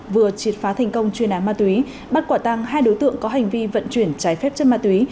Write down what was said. vừa triệt phá thành công chuyên án ma túy bắt quả tăng hai đối tượng có hành vi vận chuyển trái phép chất ma túy